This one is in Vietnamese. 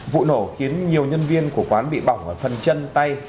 vụ nổ khiến nhiều nhân viên của quán bị bỏng ở phần chân tay